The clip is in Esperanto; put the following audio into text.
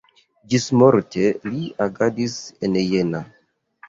Ĝismorte li agadis en Jena.